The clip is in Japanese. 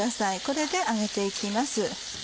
これで揚げて行きます。